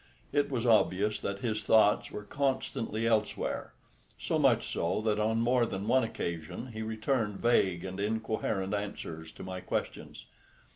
It was obvious that his thoughts were constantly elsewhere, so much so that on more than one occasion he returned vague and incoherent answers to my questions.